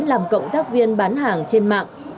làm cộng tác viên bán hàng trên mạng